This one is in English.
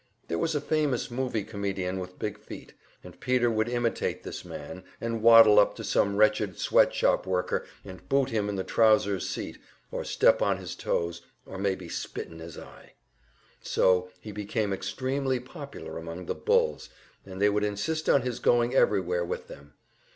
There was a famous "movie" comedian with big feet, and Peter would imitate this man, and waddle up to some wretched sweat shop worker and boot him in the trousers' seat, or step on his toes, or maybe spit in his eye. So he became extremely popular among the "bulls," and they would insist on his going everywhere with them.